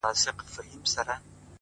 لاس زما مه نيسه چي اور وانـــخــلـې”